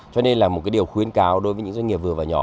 cho nên là một cái điều khuyến cáo đối với những doanh nghiệp vừa và nhỏ